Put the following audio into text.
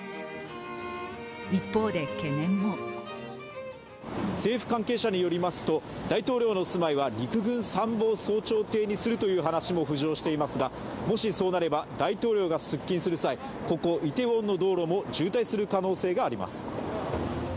一方で懸念も政府関係者によりますと大統領の住まいは陸軍参謀総長邸にするという話も浮上していますがもし、そうなれば大統領が出勤する際、ここイテウォンの道路も渋滞する可能性があります。